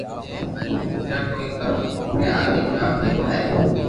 ھون پوجا ڪوئيي ڪرو ڪونڪھ آگي جواب ديوو ھي